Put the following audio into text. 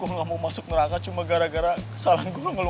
gue enggak mau masuk neraka cuma gara gara kesalahan gue sama lo